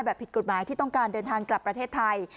ผิดกฎหมายที่ต้องการเดินทางกลับประเทศไทย